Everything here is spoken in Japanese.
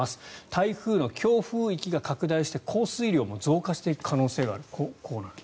台風の強風域が拡大して降水量も増加していく可能性があると。